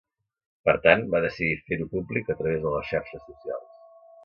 Per tant, va decidir fer-ho públic a través de les xarxes socials.